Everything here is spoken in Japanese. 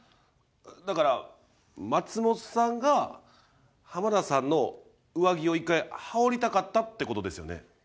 だから松本さんが浜田さんの上着を一回はおりたかったってことですよね？